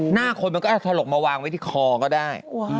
หน้าคนมันก็อาจจะถลกมาวางไว้ที่คอก็ได้